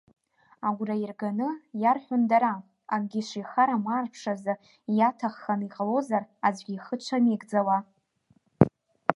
Агәра ирганы иарҳәон дара, акгьы шихарам аарԥшразы, иаҭаххоны иҟалозар, аӡәгьы ихы дшамеигӡауа.